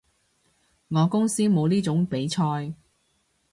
我公司冇呢種比賽